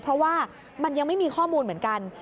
เพราะว่ามันยังไม่มีข้อมูลเหมือนกัน